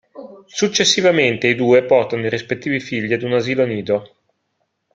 Successivamente i due portano i rispettivi figli ad un asilo nido.